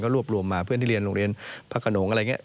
รวบรวมมาเพื่อนที่เรียนโรงเรียนพระขนงอะไรอย่างนี้